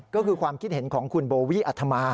ก็คือความคิดเห็นของคุณโบวี่อัธมา